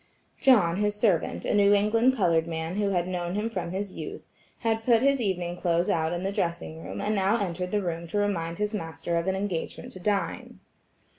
John, his servant, a New England colored man who had known him from his youth, had put his evening clothes out in the dressing room, and now entered the room to remind his master of an engagement to dine.